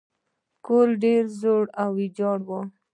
کور ډیر زوړ او ویجاړ و.